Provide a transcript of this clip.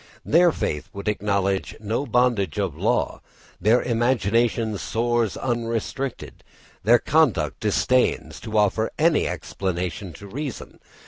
Their faith would acknowledge no bondage of law, their imagination soars unrestricted, their conduct disdains to offer any explanation to reason.